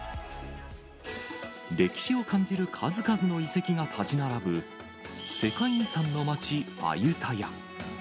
歴史を感じる数々の遺跡が建ち並ぶ、世界遺産の街、アユタヤ。